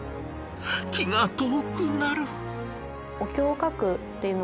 気が遠くなる！